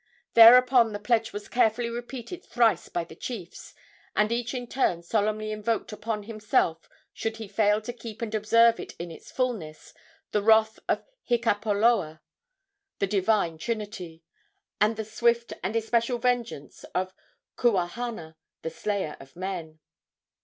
Thereupon the pledge was carefully repeated thrice by the chiefs, and each in turn solemnly invoked upon himself, should he fail to keep and observe it in its fulness, the wrath of Hikapoloa, the divine trinity, and the swift and especial vengeance of Kuahana, the slayer of men.